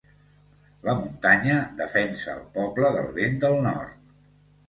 La muntanya defensa el poble del vent del nord.